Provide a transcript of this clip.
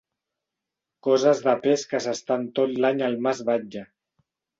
Coses de pes que s'estan tot l'any al mas Batlle.